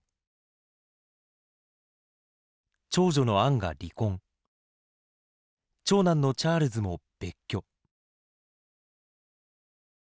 長女のアンが離婚長男のチャールズも別居。